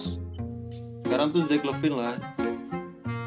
sekarang tuh jack levine lah